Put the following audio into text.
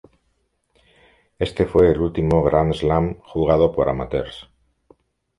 Este fue el último Grand Slam jugado por amateurs.